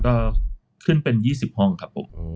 ก็ขึ้นเป็น๒๐ห้องครับผม